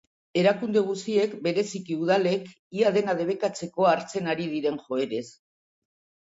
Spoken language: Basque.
Erakunde guziek, bereziki udalek, ia dena debekatzeko hartzen ari diren joerez.